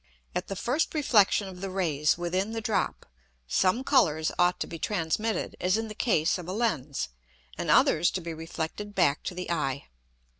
At the first Reflexion of the Rays within the drop, some Colours ought to be transmitted, as in the case of a Lens, and others to be reflected back to the Eye.